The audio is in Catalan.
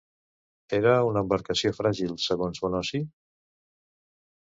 Era una embarcació fràgil, segons Bonosi?